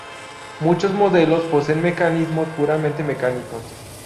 Muchos modelos poseen mecanismos puramente mecánicos.